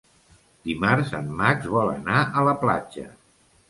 Dimarts en Max vol anar a la platja.